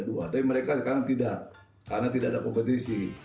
tapi mereka sekarang tidak karena tidak ada kompetisi